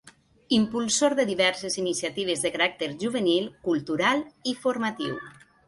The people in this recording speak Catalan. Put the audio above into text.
Impulsor de diverses iniciatives de caràcter juvenil, cultural i formatiu.